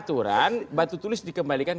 keaturan batu tulis dikembalikan